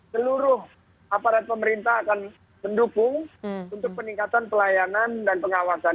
seluruh aparat pemerintah akan mendukung untuk peningkatan pelayanan dan pengawasan